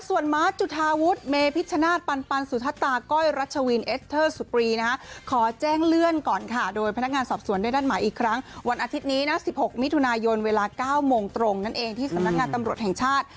ส่วนมาร์ทจุธาวุฒิเมพิชชนาธิปันสุธตาก้อยรัชวินเอสเตอร์สุปรีนะฮะขอแจ้งเลื่อนก่อนค่ะโดยพนักงานสอบสวนได้นัดหมายอีกครั้งวันอาทิตย์นี้นะ๑๖มิถุนายนเวลา๙โมงตรงนั่นเองที่สำนักงานตำรวจแห่งชาติ